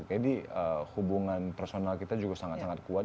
jadi hubungan personal kita juga sangat sangat kuat